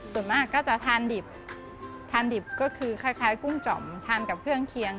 ส่วนมากก็จะทานดิบทานดิบก็คือคล้ายกุ้งจ่อมทานกับเครื่องเคียง